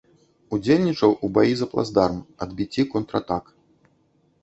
Удзельнічаў у баі за плацдарм, адбіцці контратак.